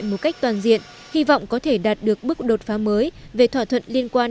một cách toàn diện hy vọng có thể đạt được bước đột phá mới về thỏa thuận liên quan